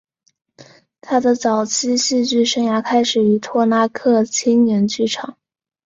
他的早期戏剧生涯开始于托拉克青年剧场。